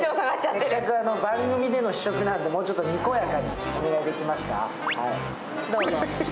せっかく番組での試食なんでもうちょっとにこやかにお願いできますか。